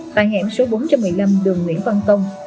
tại hẻm số bốn trăm một mươi năm đường nguyễn văn tông